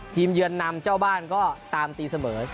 เยือนนำเจ้าบ้านก็ตามตีเสมอ